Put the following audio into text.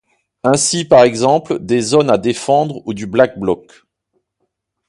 Ainsi, par exemple des zones à défendre ou du Black Bloc.